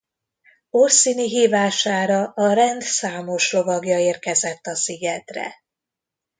Orsini hívására a rend számos lovagja érkezett a szigetre.